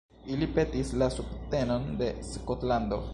Ili petis la subtenon de Skotlando.